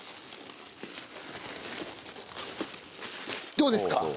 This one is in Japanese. どうですか？